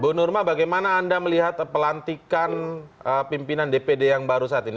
bu nurma bagaimana anda melihat pelantikan pimpinan dpd yang baru saat ini